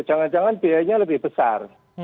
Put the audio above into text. jangan jangan biayanya lebih besar